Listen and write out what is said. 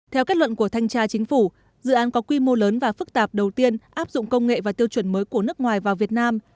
theo kết luận của thanh tra chính phủ dự án có quy mô lớn và phức tạp đầu tiên áp dụng công nghệ và tiêu chuẩn mới của nước ngoài vào việt nam